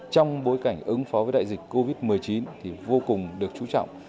trong bối cảnh ứng phó với đại dịch covid một mươi chín thì vô cùng được chú trọng